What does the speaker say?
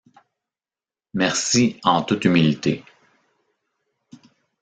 Merci en toute humilité.